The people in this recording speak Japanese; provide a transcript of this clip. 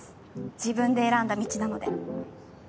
自分で選んだ道なので。